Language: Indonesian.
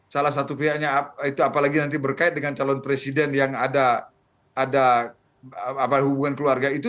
salah satu pihaknya itu apalagi nanti berkait dengan calon presiden yang ada hubungan keluarga itu